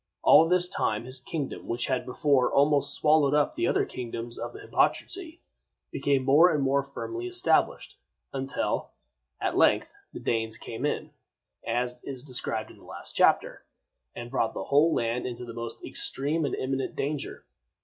All this time, his kingdom, which had before almost swallowed up the other kingdoms of the Heptarchy, became more and more firmly established, until, at length, the Danes came in, as is described in the last chapter, and brought the whole land into the most extreme and imminent danger.